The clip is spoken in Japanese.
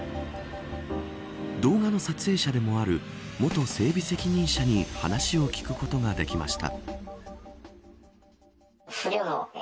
動画の撮影者でもある元整備責任者に話を聞くことができました。